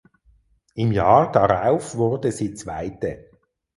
Im Jahr darauf wurde sie Zweite.